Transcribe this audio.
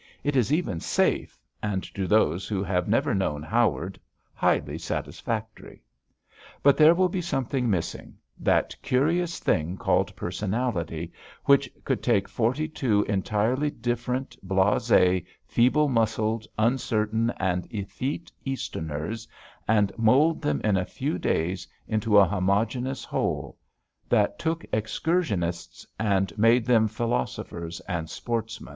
It is even safe, and, to those who have never known Howard, highly satisfactory. But there will be something missing that curious thing called personality, which could take forty two entirely different, blasé, feeble muscled, uncertain, and effete Easterners and mould them in a few days into a homogeneous whole: that took excursionists and made them philosophers and sportsmen.